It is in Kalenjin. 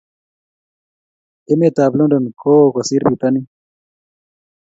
Emet ab London ko yoo kosir pitanin